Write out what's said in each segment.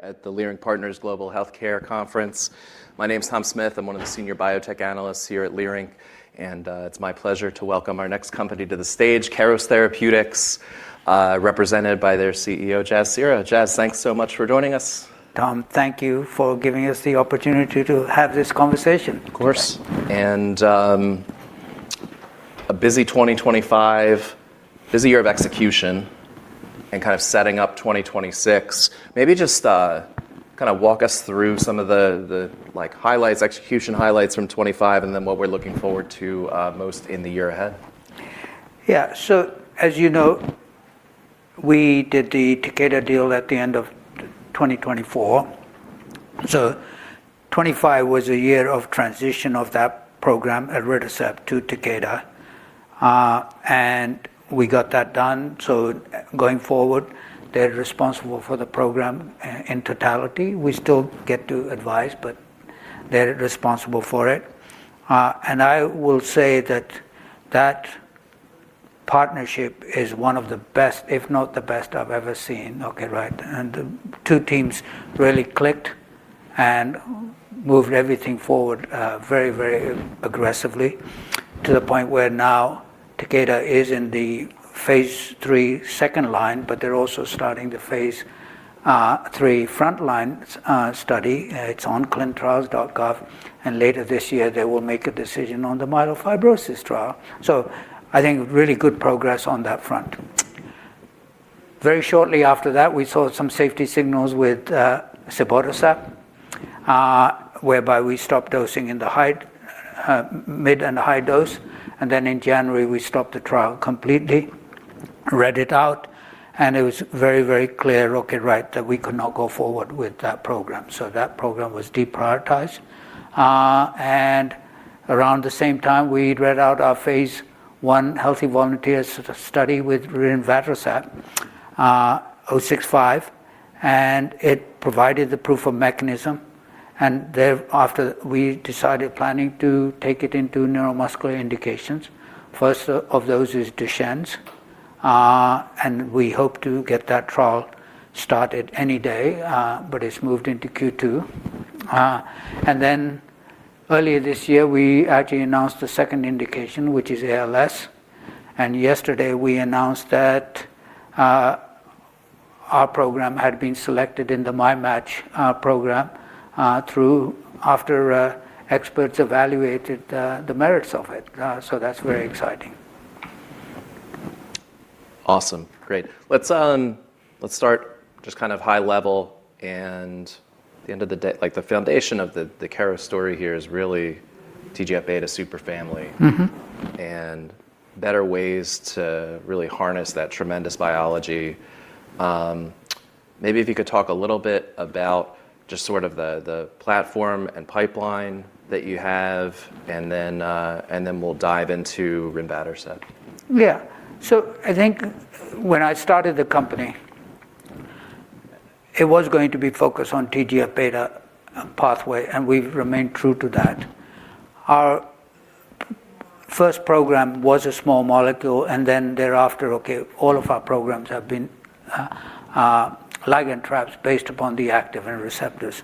At the Leerink Partners Global Healthcare Conference. My name's Tom Smith. I'm one of the senior biotech analysts here at Leerink, and it's my pleasure to welcome our next company to the stage, Keros Therapeutics, represented by their CEO, Jas Seehra. Jas, thanks so much for joining us. Tom, thank you for giving us the opportunity to have this conversation. Of course. A busy 2025, busy year of execution and kind of setting up 2026. Maybe just kind of walk us through some of the like highlights, execution highlights from 2025 and then what we're looking forward to most in the year ahead. Yeah. As you know, we did the Takeda deal at the end of 2024. Twenty-five was a year of transition of that program, eleriscept, to Takeda. We got that done. Going forward, they're responsible for the program in totality. We still get to advise, but they're responsible for it. I will say that partnership is one of the best, if not the best, I've ever seen, okay, right. The two teams really clicked and moved everything forward, very, very aggressively to the point where now Takeda is in the Phase three second line, but they're also starting the Phase three frontline study. It's on ClinicalTrials.gov. Later this year, they will make a decision on the myelofibrosis trial. I think really good progress on that front. Very shortly after that, we saw some safety signals with cibotercept, whereby we stopped dosing in the mid and high dose. In January, we stopped the trial completely, read it out, and it was very, very clear, okay, right, that we could not go forward with that program. That program was deprioritized. Around the same time, we read out our Phase one healthy volunteers study with rinvatercept 065, and it provided the proof of mechanism. Thereafter we decided planning to take it into neuromuscular indications. First of those is Duchenne's, and we hope to get that trial started any day, but it's moved into Q2. Earlier this year, we actually announced a second indication, which is ALS, and yesterday we announced that our program had been selected in the ALS MyMatch program after experts evaluated the merits of it. That's very exciting. Awesome. Great. Let's start just kind of high level like, the foundation of the Keros story here is really TGF-beta superfamily. Mm-hmm better ways to really harness that tremendous biology. Maybe if you could talk a little bit about just sort of the platform and pipeline that you have, and then we'll dive into rinvatercept. Yeah. I think when I started the company, it was going to be focused on TGF-beta pathway, and we've remained true to that. Our first program was a small molecule, and then thereafter, all of our programs have been ligand traps based upon the activin receptors.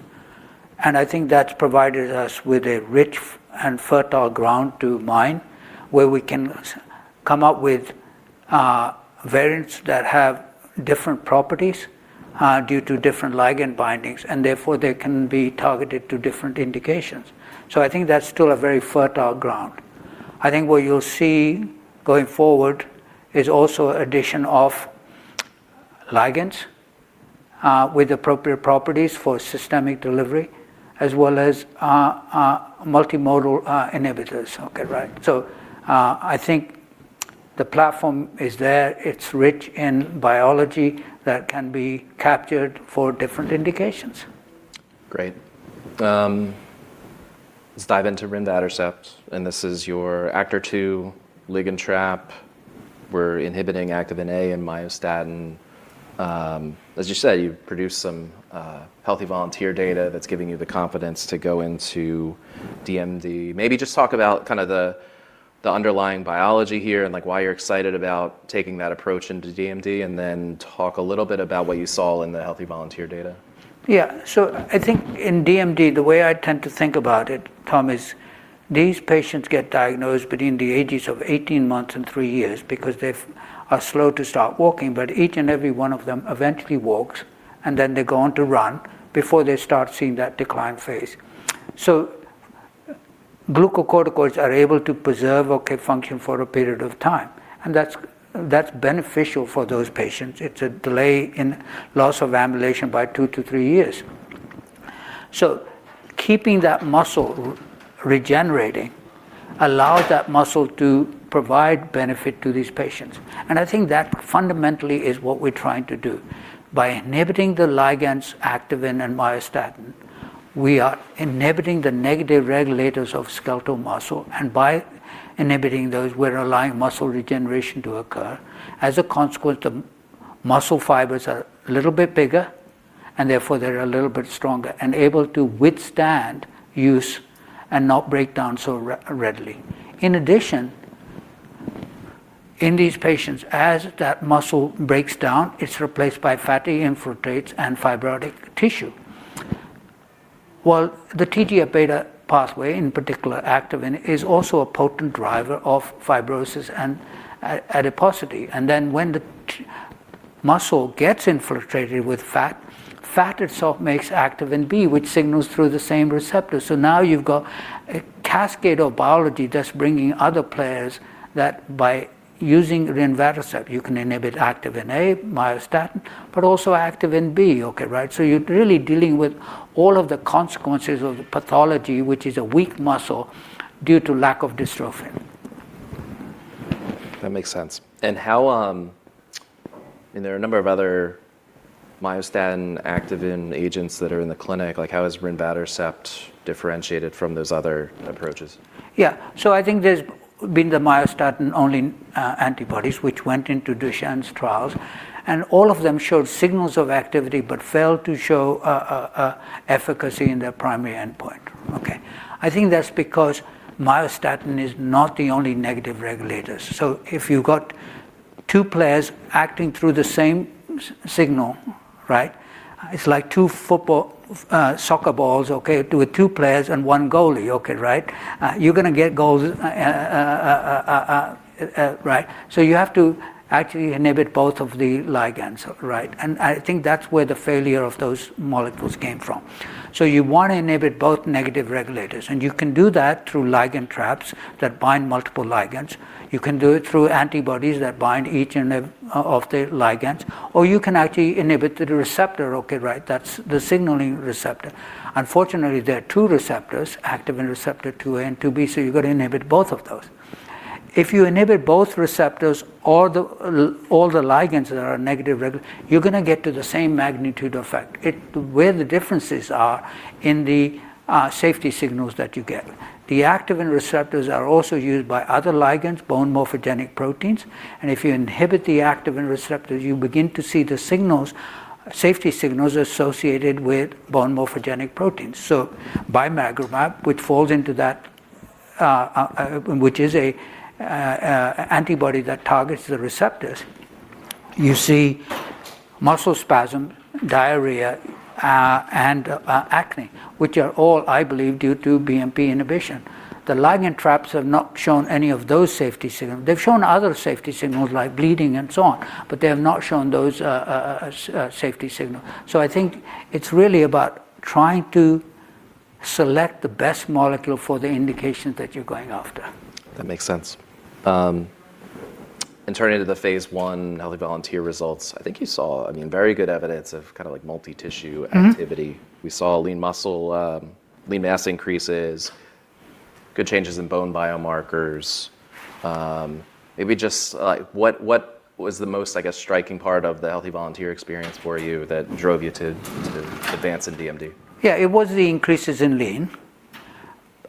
I think that's provided us with a rich and fertile ground to mine, where we can come up with variants that have different properties due to different ligand bindings, and therefore, they can be targeted to different indications. I think that's still a very fertile ground. I think what you'll see going forward is also addition of ligands with appropriate properties for systemic delivery, as well as multimodal inhibitors. I think the platform is there. It's rich in biology that can be captured for different indications. Great. Let's dive into rinvatercept, and this is your ActRII ligand trap. We're inhibiting activin A and myostatin. As you said, you've produced some healthy volunteer data that's giving you the confidence to go into DMD. Maybe just talk about kind of the underlying biology here and, like, why you're excited about taking that approach into DMD, and then talk a little bit about what you saw in the healthy volunteer data. Yeah. I think in DMD, the way I tend to think about it, Tom, is these patients get diagnosed between the ages of 18 months and three years because they are slow to start walking, but each and every one of them eventually walks, and then they go on to run before they start seeing that decline phase. Glucocorticoids are able to preserve okay function for a period of time, and that's beneficial for those patients. It's a delay in loss of ambulation by 2-3 years. Keeping that muscle regenerating allows that muscle to provide benefit to these patients. I think that fundamentally is what we're trying to do. By inhibiting the ligands activin and myostatin, we are inhibiting the negative regulators of skeletal muscle, and by inhibiting those, we're allowing muscle regeneration to occur. As a consequence, the muscle fibers are a little bit bigger, and therefore they're a little bit stronger and able to withstand use and not break down so readily. In these patients, as that muscle breaks down, it's replaced by fatty infiltrates and fibrotic tissue. Well, the TGF-beta pathway, in particular activin, is also a potent driver of fibrosis and adiposity. When the muscle gets infiltrated with fat itself makes Activin B, which signals through the same receptor. Now you've got a cascade of biology that's bringing other players that by using rinvatercept, you can inhibit Activin A, myostatin, but also Activin B, okay, right? You're really dealing with all of the consequences of pathology, which is a weak muscle due to lack of dystrophin. That makes sense. How, and there are a number of other myostatin activin agents that are in the clinic, like how is rinvatercept differentiated from those other approaches? Yeah. I think there's been the myostatin only antibodies which went into Duchenne's trials, and all of them showed signals of activity but failed to show efficacy in their primary endpoint. Okay. I think that's because myostatin is not the only negative regulators. If you've got two players acting through the same signal, right? It's like two soccer balls, okay, with two players and one goalie, okay, right? You're gonna get goals, right. You have to actually inhibit both of the ligands, right? I think that's where the failure of those molecules came from. You wanna inhibit both negative regulators, and you can do that through ligand traps that bind multiple ligands. You can do it through antibodies that bind each of the ligands, or you can actually inhibit the receptor, okay, right? That's the signaling receptor. Unfortunately, there are two receptors, activin receptor 2A and 2B, so you've got to inhibit both of those. If you inhibit both receptors or all the ligands that are negative regulators, you're gonna get to the same magnitude effect. Where the differences are in the safety signals that you get. The activin receptors are also used by other ligands, bone morphogenetic proteins, and if you inhibit the activin receptors, you begin to see the signals, safety signals associated with bone morphogenetic proteins. Bimagrumab, which falls into that, which is an antibody that targets the receptors. You see muscle spasm, diarrhea, and acne, which are all, I believe, due to BMP inhibition. The ligand traps have not shown any of those safety signals. They've shown other safety signals like bleeding and so on, but they have not shown those safety signal. I think it's really about trying to select the best molecule for the indication that you're going after. That makes sense. Turning to the Phase one healthy volunteer results, I think you saw, I mean, very good evidence of kind of like multi-tissue activity. Mm-hmm. We saw lean muscle, lean mass increases, good changes in bone biomarkers. Maybe just, like, what was the most, I guess, striking part of the healthy volunteer experience for you that drove you to advance in DMD? Yeah, it was the increases in lean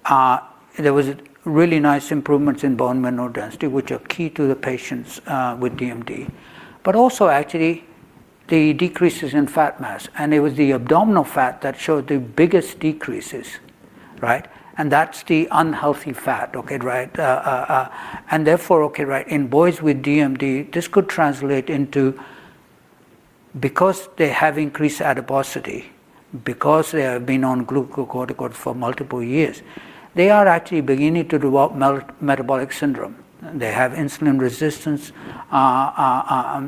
mass. There was really nice improvements in bone mineral density, which are key to the patients with DMD, but also actually the decreases in fat mass, and it was the abdominal fat that showed the biggest decreases, right? And that's the unhealthy fat, okay, right? Therefore, okay, right, in boys with DMD, this could translate into because they have increased adiposity, because they have been on glucocorticoid for multiple years, they are actually beginning to develop metabolic syndrome. They have insulin resistance, high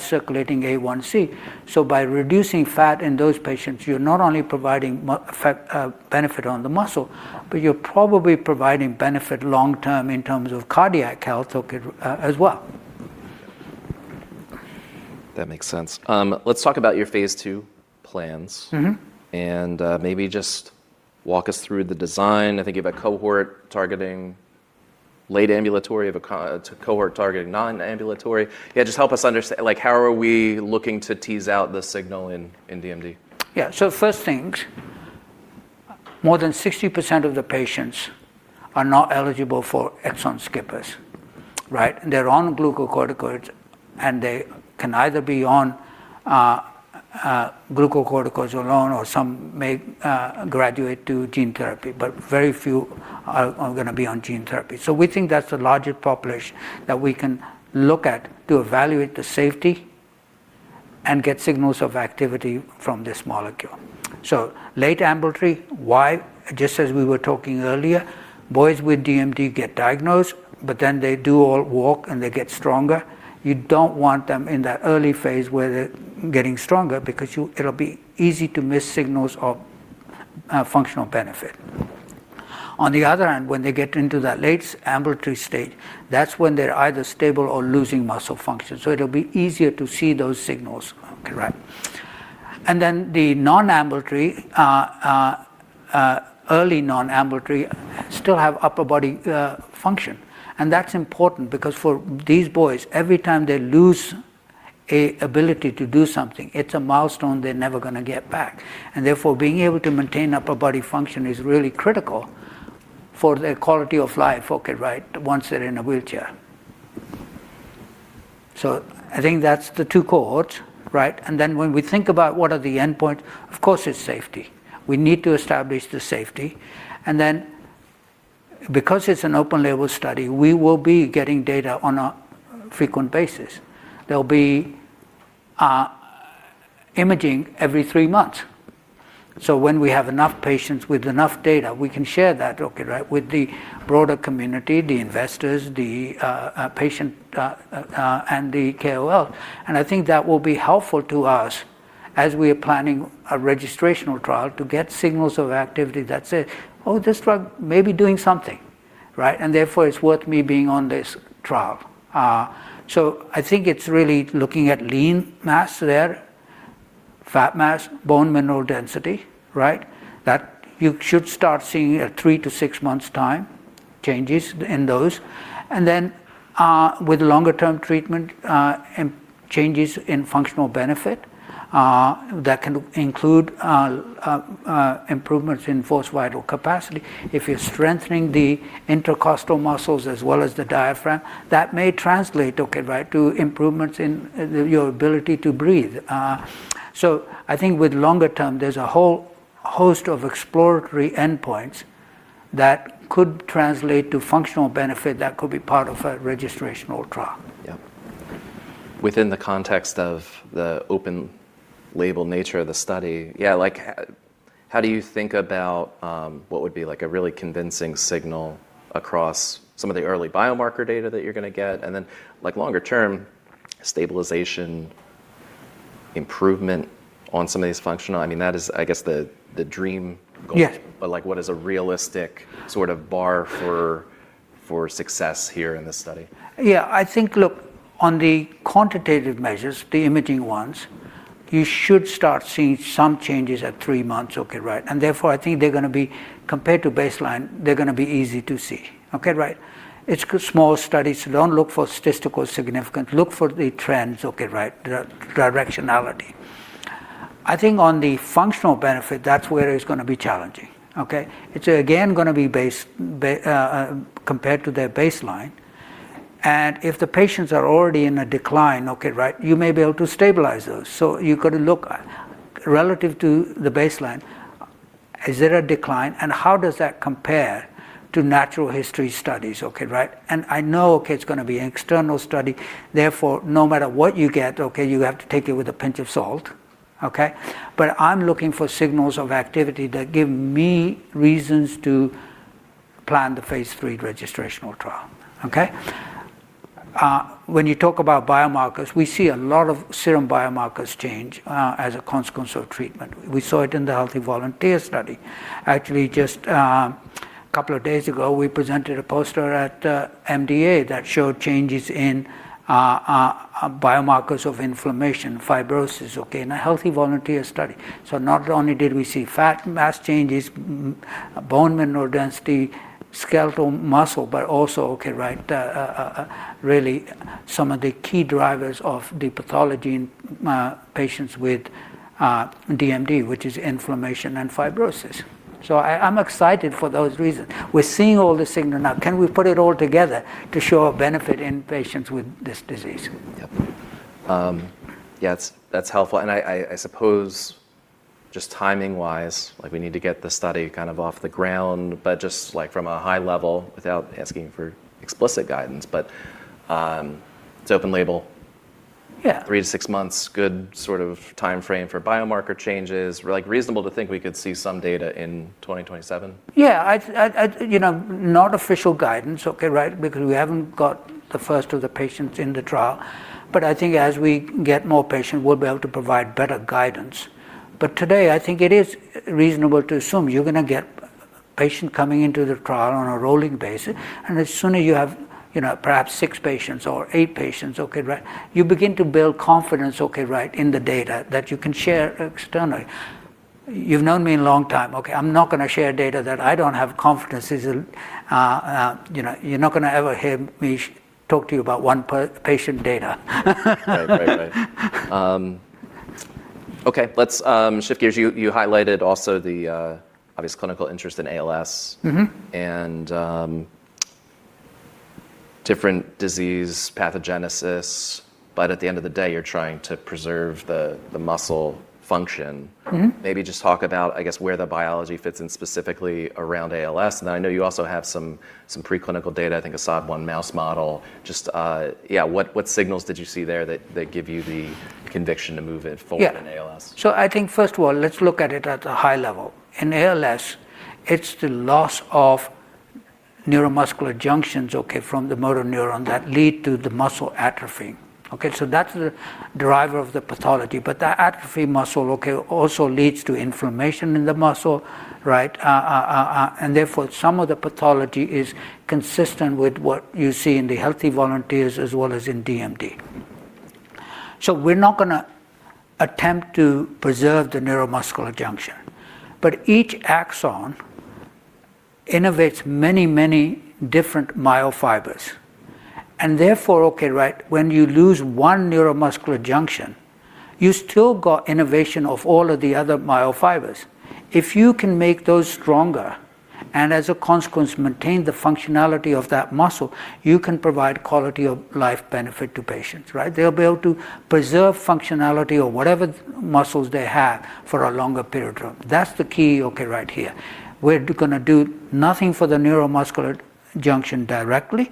circulating A1C. So by reducing fat in those patients, you're not only providing metabolic benefit on the muscle, but you're probably providing benefit long-term in terms of cardiac health, okay, as well. That makes sense. Let's talk about your Phase two plans. Mm-hmm. Maybe just walk us through the design. I think you have a cohort targeting late ambulatory, you have a cohort targeting non-ambulatory. Yeah, just help us understand, like, how are we looking to tease out the signal in DMD? Yeah. First things, more than 60% of the patients are not eligible for exon skipping, right? They're on glucocorticoids, and they can either be on glucocorticoids alone or some may graduate to gene therapy, but very few are gonna be on gene therapy. We think that's the larger population that we can look at to evaluate the safety and get signals of activity from this molecule. Late ambulatory, why? Just as we were talking earlier, boys with DMD get diagnosed, but then they do all walk, and they get stronger. You don't want them in that early phase where they're getting stronger because it'll be easy to miss signals of functional benefit. On the other hand, when they get into that late ambulatory stage, that's when they're either stable or losing muscle function. It'll be easier to see those signals, okay, right. The non-ambulatory early non-ambulatory still have upper body function, and that's important because for these boys, every time they lose a ability to do something, it's a milestone they're never gonna get back. Therefore, being able to maintain upper body function is really critical for their quality of life, okay, right, once they're in a wheelchair. I think that's the two cohorts, right? When we think about what are the endpoint, of course it's safety. We need to establish the safety. Because it's an open label study, we will be getting data on a frequent basis. There'll be imaging every three months. When we have enough patients with enough data, we can share that, okay, right, with the broader community, the investors, the patient, and the KOL. I think that will be helpful to us as we are planning a registrational trial to get signals of activity that say, "Oh, this drug may be doing something," right? "And therefore it's worth me being on this trial." I think it's really looking at lean mass there, fat mass, bone mineral density, right? That you should start seeing a 3-6 months time changes in those. Then, with longer-term treatment, and changes in functional benefit, that can include improvements in forced vital capacity. If you're strengthening the intercostal muscles as well as the diaphragm, that may translate, okay, right, to improvements in your ability to breathe. I think with longer term, there's a whole host of exploratory endpoints that could translate to functional benefit that could be part of a registrational trial. Yep. Within the context of the open label nature of the study, yeah, like how do you think about what would be like a really convincing signal across some of the early biomarker data that you're gonna get? Like longer-term stabilization improvement on some of these, I mean, that is, I guess the dream goal. Yeah. Like what is a realistic sort of bar for success here in this study? Yeah. I think, look, on the quantitative measures, the imaging ones, you should start seeing some changes at three months. Okay. Right. Therefore I think they're gonna be, compared to baseline, they're gonna be easy to see. Okay. Right. It's small studies, so don't look for statistically significant, look for the trends, okay, right? The directionality. I think on the functional benefit, that's where it's gonna be challenging. Okay. It's again gonna be compared to their baseline. If the patients are already in a decline, okay, right, you may be able to stabilize those. You got to look relative to the baseline, is there a decline and how does that compare to natural history studies? Okay. Right. I know, it's gonna be an external study, therefore, no matter what you get, you have to take it with a pinch of salt. I'm looking for signals of activity that give me reasons to plan the Phase three registrational trial. When you talk about biomarkers, we see a lot of serum biomarkers change as a consequence of treatment. We saw it in the healthy volunteer study. Actually, just couple of days ago, we presented a poster at MDA that showed changes in biomarkers of inflammation, fibrosis in a healthy volunteer study. Not only did we see fat mass changes, bone mineral density, skeletal muscle, but also really some of the key drivers of the pathology in patients with DMD, which is inflammation and fibrosis. I'm excited for those reasons. We're seeing all this signal now. Can we put it all together to show a benefit in patients with this disease? Yep. Yeah, that's helpful. I suppose just timing-wise, like we need to get the study kind of off the ground, but just like from a high level without asking for explicit guidance, but it's open label. Yeah. 3-6 months, good sort of timeframe for biomarker changes. Like reasonable to think we could see some data in 2027. Yeah. I, you know, not official guidance, okay, right. We haven't got the first of the patients in the trial, but I think as we get more patient, we'll be able to provide better guidance. Today, I think it is reasonable to assume you're gonna get patient coming into the trial on a rolling basis. As soon as you have, you know, perhaps six patients or eight patients, okay, right, you begin to build confidence, okay, right, in the data that you can share externally. You've known me a long time, okay. I'm not gonna share data that I don't have confidence is, you know, you're not gonna ever hear me talk to you about one patient data. Right. Okay, let's shift gears. You highlighted also the obvious clinical interest in ALS. Mm-hmm. Different disease pathogenesis, but at the end of the day, you're trying to preserve the muscle function. Mm-hmm. Maybe just talk about, I guess, where the biology fits in specifically around ALS. I know you also have some preclinical data, I think a SOD1 mouse model. Just, yeah, what signals did you see there that give you the conviction to move it forward? Yeah in ALS? I think first of all, let's look at it at a high level. In ALS, it's the loss of neuromuscular junctions, okay, from the motor neuron that lead to the muscle atrophy. Okay. That's the driver of the pathology. But that muscle atrophy, okay, also leads to inflammation in the muscle, right? And therefore some of the pathology is consistent with what you see in the healthy volunteers as well as in DMD. We're not gonna attempt to preserve the neuromuscular junction, but each axon innervates many, many different myofibers and therefore, okay, right, when you lose one neuromuscular junction. You still got innervation of all of the other myofibers. If you can make those stronger and as a consequence maintain the functionality of that muscle, you can provide quality of life benefit to patients, right? They'll be able to preserve functionality of whatever muscles they have for a longer period of time. That's the key, okay, right here. We're gonna do nothing for the neuromuscular junction directly.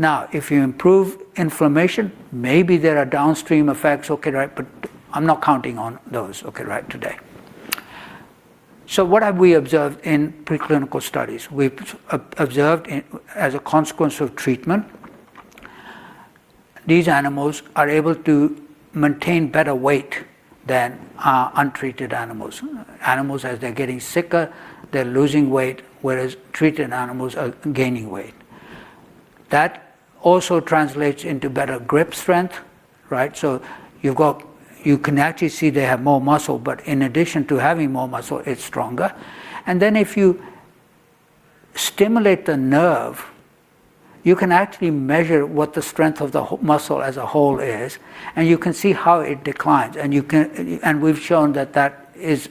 Now, if you improve inflammation, maybe there are downstream effects, okay, right, but I'm not counting on those, okay, right, today. What have we observed in preclinical studies? We've observed as a consequence of treatment, these animals are able to maintain better weight than untreated animals. Animals, as they're getting sicker, they're losing weight, whereas treated animals are gaining weight. That also translates into better grip strength, right? So you've got. You can actually see they have more muscle, but in addition to having more muscle, it's stronger. Then if you stimulate the nerve, you can actually measure what the strength of the muscle as a whole is, and you can see how it declines. You can... we've shown that that is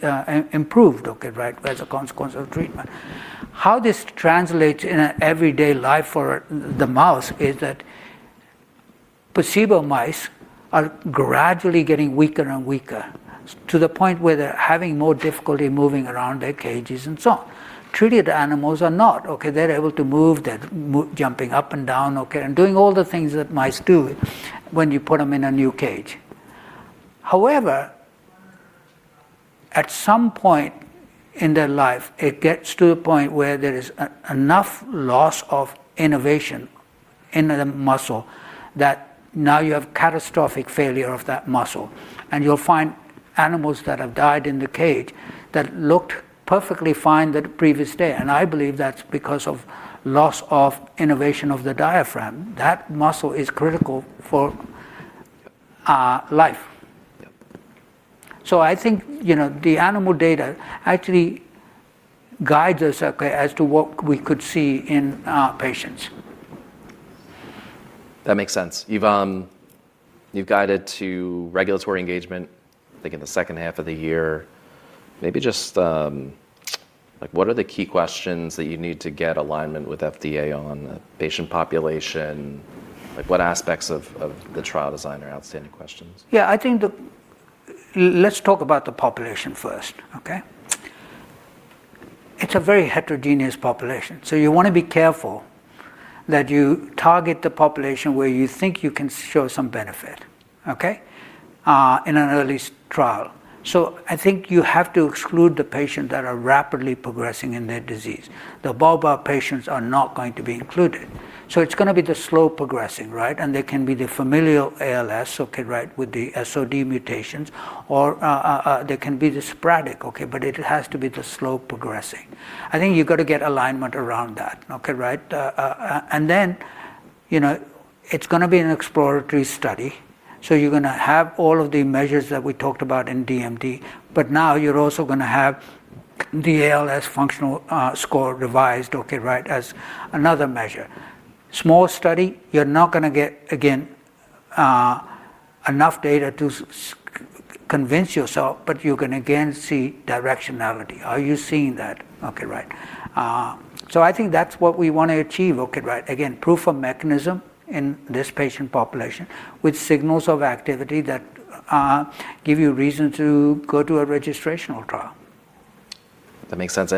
improved, okay, right, as a consequence of treatment. How this translates in everyday life for the mouse is that placebo mice are gradually getting weaker and weaker to the point where they're having more difficulty moving around their cages and so on. Treated animals are not, okay. They're jumping up and down, okay, and doing all the things that mice do when you put them in a new cage. However, at some point in their life, it gets to a point where there is enough loss of innervation in the muscle that now you have catastrophic failure of that muscle, and you'll find animals that have died in the cage that looked perfectly fine the previous day. I believe that's because of loss of innervation of the diaphragm. That muscle is critical for life. Yep. I think, you know, the animal data actually guides us, okay, as to what we could see in patients. That makes sense. You've guided to regulatory engagement, I think, in the second half of the year. Maybe just, like what are the key questions that you need to get alignment with FDA on? The patient population? Like, what aspects of the trial design are outstanding questions? Yeah, I think let's talk about the population first, okay? It's a very heterogeneous population, so you wanna be careful that you target the population where you think you can show some benefit, okay, in an early trial. I think you have to exclude the patients that are rapidly progressing in their disease. The bulbar patients are not going to be included, so it's gonna be the slow progressing, right? They can be the familial ALS, okay, right, with the SOD mutations, or, they can be the sporadic, okay, but it has to be the slow progressing. I think you've got to get alignment around that, okay, right? you know, it's gonna be an exploratory study, so you're gonna have all of the measures that we talked about in DMD, but now you're also gonna have the ALS functional score revised, okay, right, as another measure. Small study, you're not gonna get, again, enough data to convince yourself, but you can again see directionality. Are you seeing that? Okay, right. I think that's what we wanna achieve, okay, right. Again, proof of mechanism in this patient population with signals of activity that give you reason to go to a registrational trial. That makes sense.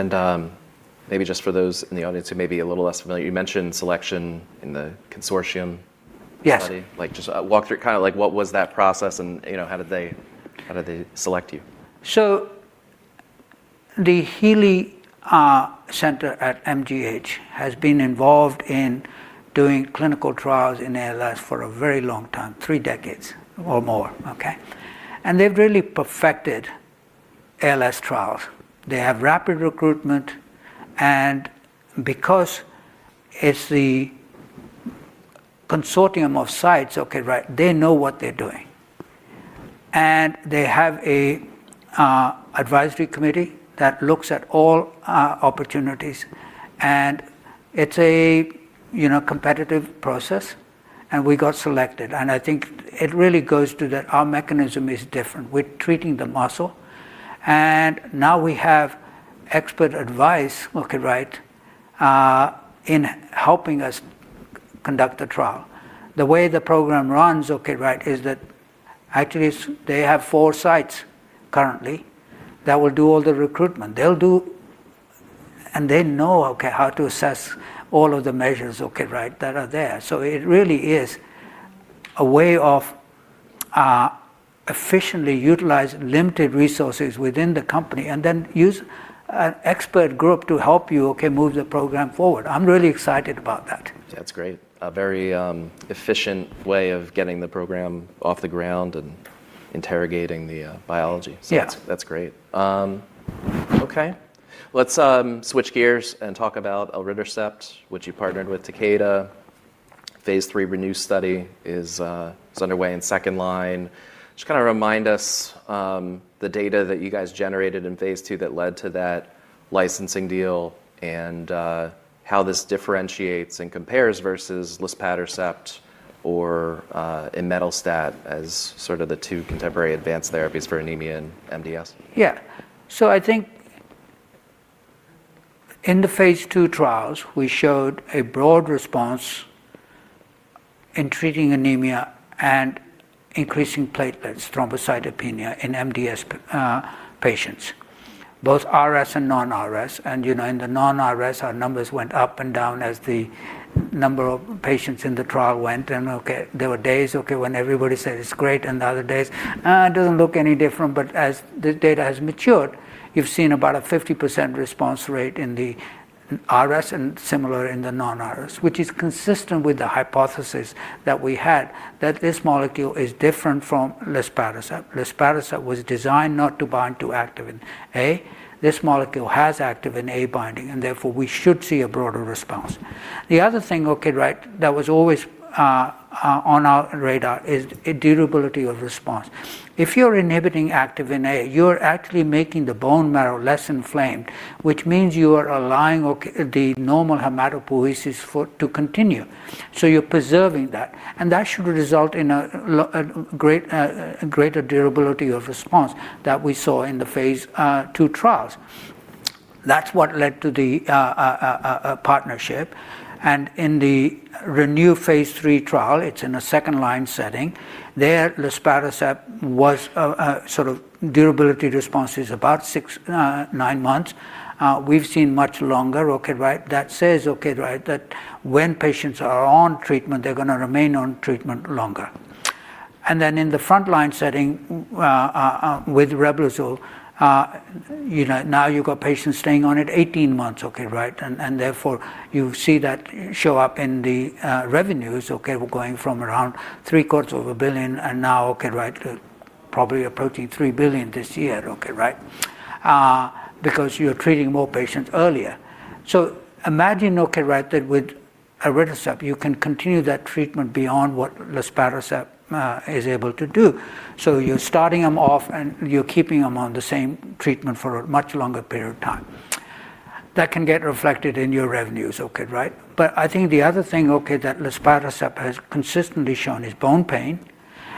Maybe just for those in the audience who may be a little less familiar, you mentioned selection in the consortium study. Yes. Like, just walk through kind of like what was that process and, you know, how did they select you? The Healey Center at MGH has been involved in doing clinical trials in ALS for a very long time, three decades or more, okay? They've really perfected ALS trials. They have rapid recruitment, and because it's the consortium of sites, okay, right, they know what they're doing. They have a advisory committee that looks at all opportunities, and it's a, you know, competitive process, and we got selected. I think it really goes to that our mechanism is different. We're treating the muscle, and now we have expert advice, okay, right, in helping us conduct the trial. The way the program runs, okay, right, is that actually they have four sites currently that will do all the recruitment. They'll do. They know, okay, how to assess all of the measures, okay, right, that are there. It really is a way of, efficiently utilizing limited resources within the company and then use an expert group to help you, okay, move the program forward. I'm really excited about that. That's great. A very efficient way of getting the program off the ground and interrogating the biology. Yeah. That's great. Okay. Let's switch gears and talk about elritercept, which you partnered with Takeda. Phase three RENEW study is underway in second line. Just kind of remind us the data that you guys generated in Phase two that led to that licensing deal and how this differentiates and compares versus luspatercept or imetelstat as sort of the two contemporary advanced therapies for anemia and MDS. Yeah. I think in the Phase two trials, we showed a broad response in treating anemia and increasing platelets, thrombocytopenia in MDS patients, both RS and non-RS. You know, in the non-RS, our numbers went up and down as the number of patients in the trial went. Okay, there were days, okay, when everybody said, "It's great," and the other days, "it doesn't look any different." As the data has matured, you've seen about a 50% response rate in the RS and similar in the non-RS, which is consistent with the hypothesis that we had that this molecule is different from luspatercept. Luspatercept was designed not to bind to activin A. This molecule has activin A binding, and therefore we should see a broader response. The other thing, okay, right, that was always on our radar is a durability of response. If you're inhibiting activin A, you're actually making the bone marrow less inflamed, which means you are allowing the normal hematopoiesis to continue. So you're preserving that, and that should result in a greater durability of response that we saw in the Phase two trials. That's what led to a partnership. In the RENEW Phase three trial, it's in a second line setting, luspatercept was a sort of durability of response is about six to nine months. We've seen much longer, okay, right? That says, okay, right, that when patients are on treatment, they're gonna remain on treatment longer. In the frontline setting, with Reblozyl, you know, now you've got patients staying on it 18 months, okay, right, and therefore you see that show up in the revenues, okay. We're going from around three-quarters of a billion and now, okay, right, probably approaching $3 billion this year, okay, right, because you're treating more patients earlier. Imagine, okay, right, that with elritercept, you can continue that treatment beyond what luspatercept is able to do. You're starting them off and you're keeping them on the same treatment for a much longer period of time. That can get reflected in your revenues, okay, right. I think the other thing, okay, that luspatercept has consistently shown is bone pain,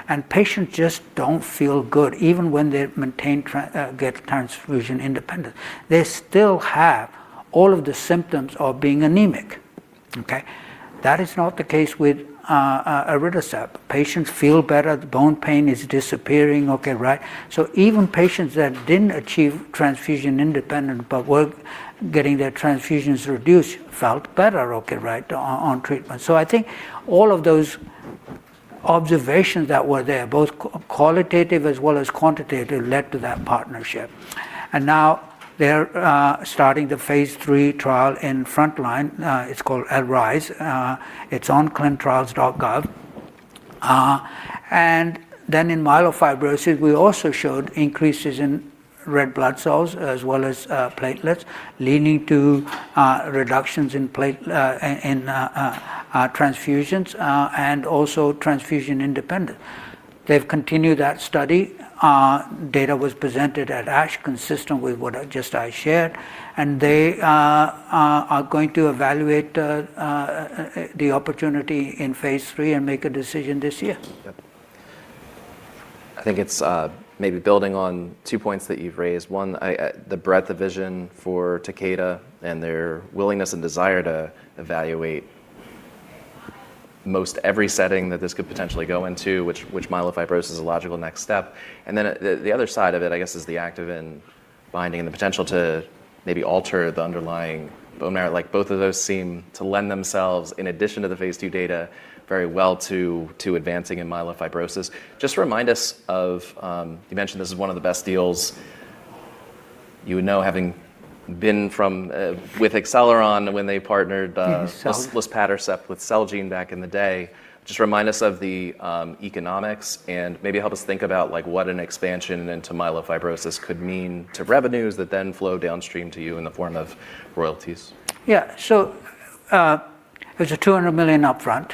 and patients just don't feel good. Even when they get transfusion independence, they still have all of the symptoms of being anemic, okay? That is not the case with elritercept. Patients feel better. The bone pain is disappearing, okay, right? Even patients that didn't achieve transfusion independence but were getting their transfusions reduced felt better, okay, right, on treatment. I think all of those observations that were there, both qualitative as well as quantitative, led to that partnership. Now they're starting the Phase three trial in frontline. It's called ARISE. It's on ClinicalTrials.gov. Then in myelofibrosis, we also showed increases in red blood cells as well as platelets leading to reductions in transfusions and also transfusion independence. They've continued that study. Data was presented at ASH consistent with what I just shared, and they are going to evaluate the opportunity in Phase three and make a decision this year. Yep. I think it's maybe building on 2 points that you've raised. One, the breadth of vision for Takeda and their willingness and desire to evaluate most every setting that this could potentially go into, which myelofibrosis is a logical next step. The other side of it, I guess, is the activin binding and the potential to maybe alter the underlying bone marrow. Like, both of those seem to lend themselves, in addition to the Phase two data, very well to advancing in myelofibrosis. Just remind us of. You mentioned this is one of the best deals you would know having been from with Acceleron when they partnered. Yes. luspatercept with Celgene back in the day. Just remind us of the economics and maybe help us think about, like, what an expansion into myelofibrosis could mean to revenues that then flow downstream to you in the form of royalties. Yeah. There's a $200 million upfront,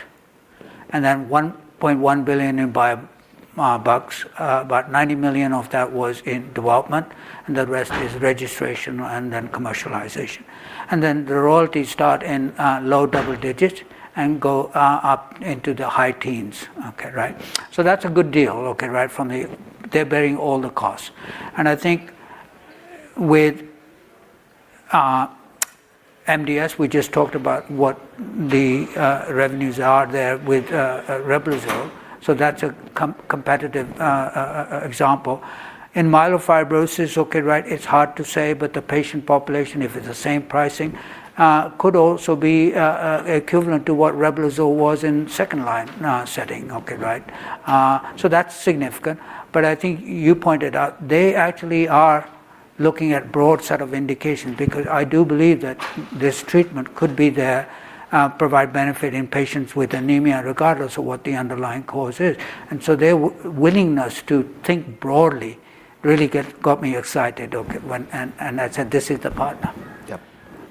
and then $1.1 billion in biobucks. About $90 million of that was in development, and the rest is registration and then commercialization. The royalties start in low double digits and go up into the high teens. Okay, right? That's a good deal, okay, right? They're bearing all the costs. I think with MDS, we just talked about what the revenues are there with Reblozyl, so that's a competitive example. In myelofibrosis, okay, right, it's hard to say, but the patient population, if it's the same pricing, could also be equivalent to what Reblozyl was in second-line setting, okay, right? That's significant. I think you pointed out they actually are looking at broad set of indications because I do believe that this treatment could thereby provide benefit in patients with anemia regardless of what the underlying cause is. Their willingness to think broadly really got me excited, and I said, "This is the partner. Yep.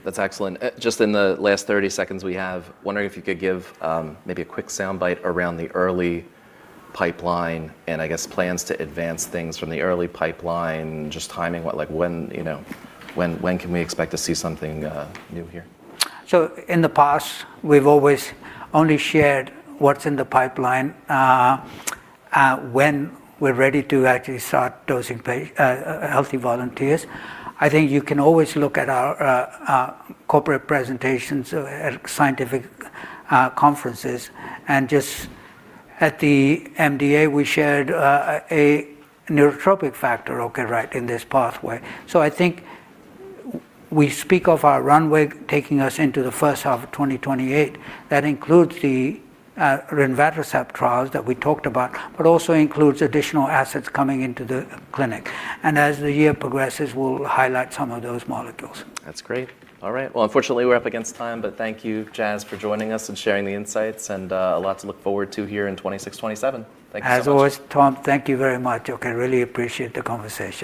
That's excellent. Just in the last 30 seconds we have, wondering if you could give maybe a quick soundbite around the early pipeline and I guess plans to advance things from the early pipeline, just timing, what, like, when, you know, when can we expect to see something new here? In the past, we've always only shared what's in the pipeline when we're ready to actually start dosing healthy volunteers. I think you can always look at our corporate presentations at scientific conferences. Just at the MDA, we shared a neurotrophic factor, okay, right, in this pathway. I think we speak of our runway taking us into the first half of 2028. That includes the rinvatercept trials that we talked about, but also includes additional assets coming into the clinic. As the year progresses, we'll highlight some of those molecules. That's great. All right. Well, unfortunately, we're up against time, but thank you, Jas, for joining us and sharing the insights, and a lot to look forward to here in 2026, 2027. Thank you so much. As always, Tom, thank you very much. Okay, really appreciate the conversation.